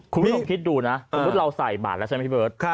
คุณผู้ชมคิดดูนะสมมุติเราใส่บาทแล้วใช่ไหมพี่เบิร์ต